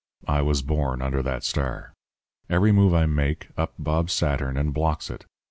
I was born under that star. Every move I make, up bobs Saturn and blocks it.